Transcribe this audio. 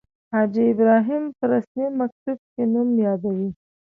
حاجي ابراهیم په رسمي مکتوب کې نوم یادوي.